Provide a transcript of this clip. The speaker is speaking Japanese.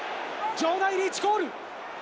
場内、リーチコール。